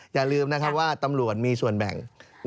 อย่าลืมนะครับว่าตำรวจมีส่วนแบ่ง